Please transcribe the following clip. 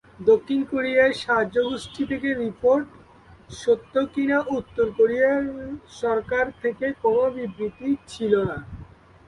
দক্ষিণ কোরিয়ার সাহায্য গোষ্ঠী থেকে রিপোর্ট সত্য কিনা উত্তর কোরিয়ার সরকার থেকে কোন বিবৃতি ছিল না।